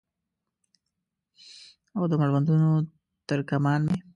او د مړوندونو تر کمان مې